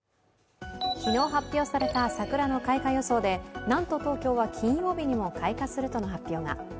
昨日発表された桜の開花予想でなんと東京は金曜日にも開花する都の発表が。